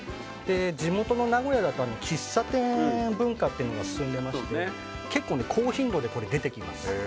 地元の名古屋だと喫茶店文化が進んでいまして結構、高頻度でコーヒーと出てきます。